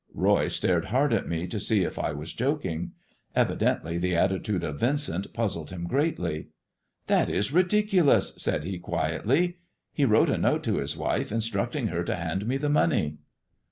Roy stared hard at me to see if I were joking. Evi dently the attitude of Yincent puzzled him greatly. That is ridiculous," said he quietly ;" he wi*ote a note to his wife instructing her to hand me the money."